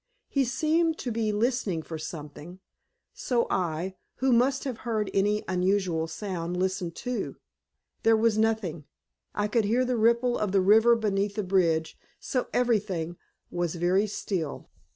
He seemed to be listening for something, so I, who must have heard any unusual sound, listened too. There was nothing. I could hear the ripple of the river beneath the bridge, so everything was very still.